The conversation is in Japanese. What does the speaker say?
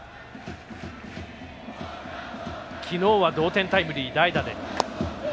昨日は同点タイムリー、代打で。